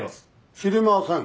知りません。